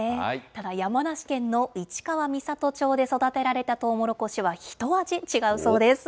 ただ、山梨県の市川三郷町で育てられたトウモロコシは、一味違うそうです。